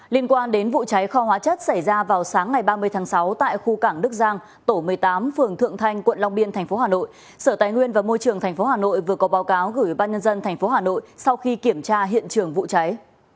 liên quan đến vụ cháy kho hóa chất xảy ra vào sáng ngày ba mươi tháng sáu tại khu cảng đức giang tổ một mươi tám phường thượng thanh quận long biên tp hà nội sở tài nguyên và môi trường tp hà nội vừa có báo cáo gửi ban nhân dân tp hà nội sau khi kiểm tra hiện trường vụ cháy